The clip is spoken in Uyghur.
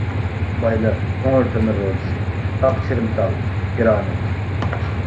بايلىق قوڭۇر تۆمۈر رۇدىسى، ئاق چىرىمتال، گىرانىت.